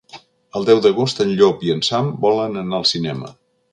El deu d'agost en Llop i en Sam volen anar al cinema.